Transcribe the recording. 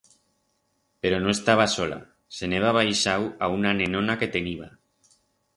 Pero no estaba sola, se'n heba baixau a una nenona que teniba.